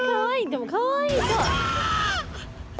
でもかわいい。